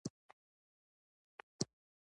ګومان کوي تښتي او سر پټوي.